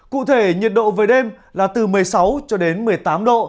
cụ thể nhiệt độ về đêm là từ một mươi sáu cho đến một mươi tám độ